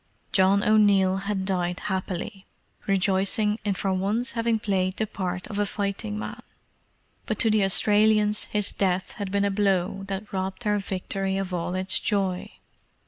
John O'Neill had died happily, rejoicing in for once having played the part of a fighting man; but to the Australians his death had been a blow that robbed their victory of all its joy.